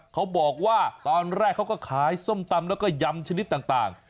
เขาบอกว่าตอนแรกเขาก็ขายส้มตำแล้วก็ยำชนิดต่าง